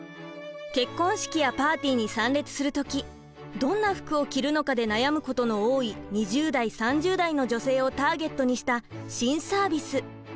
結婚式やパーティーに参列する時どんな服を着るのかで悩むことの多い２０代３０代の女性をターゲットにした新サービス。